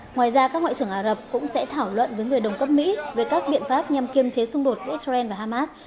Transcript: ngoài ra các ngoại trưởng ả rập cũng sẽ thảo luận với người đồng cấp mỹ về các biện pháp nhằm kiêm chế xung đột giữa israel và hamas